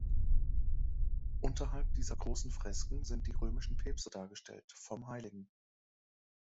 Unterhalb dieser großen Fresken sind die römischen Päpste dargestellt, vom Hl.